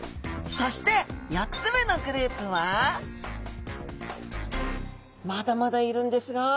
そして４つ目のグループはまだまだいるんですが。